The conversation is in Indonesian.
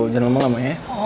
jangan lama lama ya